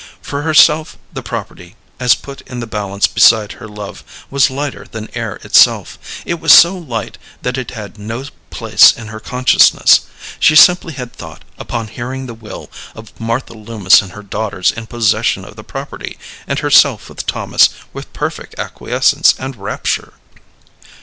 For herself the property, as put in the balance beside her love, was lighter than air itself. It was so light that it had no place in her consciousness. She simply had thought, upon hearing the will, of Martha Loomis and her daughters in possession of the property, and herself with Thomas, with perfect acquiescence and rapture.